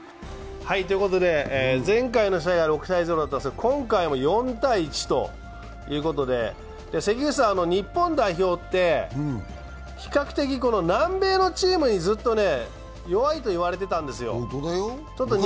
前回の試合は６−０だったんですが今回も４−１ということで日本代表って比較的南米のチームにずっと弱いと言われていたんですよ。